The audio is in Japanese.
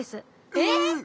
えっ！